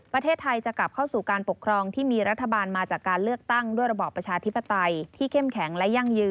ประเทศไทยจะกลับเข้าสู่การปกครองที่มีรัฐบาลมาจากการเลือกตั้งด้วยระบอบประชาธิปไตยที่เข้มแข็งและยั่งยืน